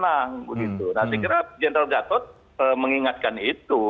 nanti kira kira jenderal gatot mengingatkan itu